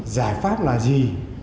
giải pháp là gì